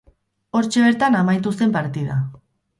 Hortxe bertan amaotu zen partida.